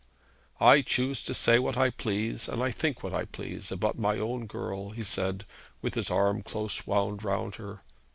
'I choose to say what I please, and think what I please, about my own girl,' he said, with his arm close wound round her.